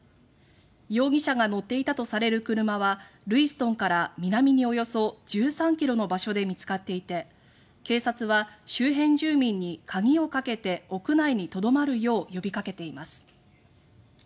容疑者が乗っていたとされる車はルイストンから南におよそ１３ｋｍの場所で見つかっていて警察は周辺住民に鍵をかけて屋内にとどまるよう呼びかけています。